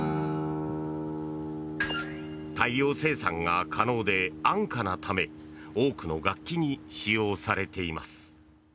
大量生産が可能で安価なため多くの楽器に使用されています。